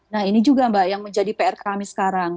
nah ini juga mbak yang menjadi pr kami sekarang